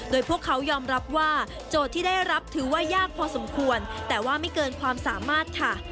โดยพวกเขายอมรับว่าโจทย์ที่ได้รับถือว่ายากพอสมควรแต่ว่าไม่เกินความสามารถค่ะ